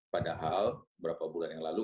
padahal beberapa bulan yang lalu